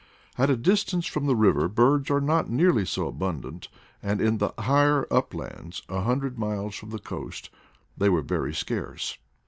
At a dis tance from the river birds were not nearly so abundant, and in the higher uplands a hundred miles from the coast they were very scarce.